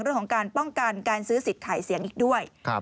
เรื่องของการป้องกันการซื้อสิทธิ์ขายเสียงอีกด้วย